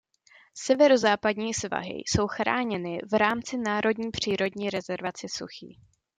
Severozápadní svahy jsou chráněny v rámci národní přírodní rezervace Suchý.